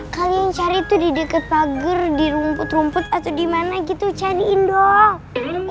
kalian cari tuh di deket pagar di rumput rumput atau dimana gitu cariin dong